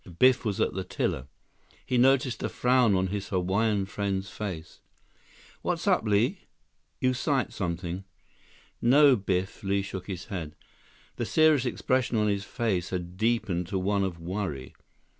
Biff was at the tiller. He noticed a frown on his Hawaiian friend's face. "What's up, Li? You sight something?" "No, Biff," Li shook his head. The serious expression on his face had deepened to one of worry.